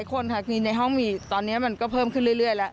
คนค่ะคือในห้องมีตอนนี้มันก็เพิ่มขึ้นเรื่อยแล้ว